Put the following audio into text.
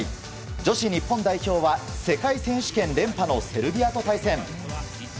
女子日本代表は世界選手権連覇のセルビアと対戦。